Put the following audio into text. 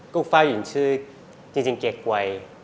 ก็ฟ้ายืนชื่อจริงเก็กไว